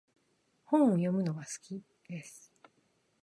本を読むのが好きです。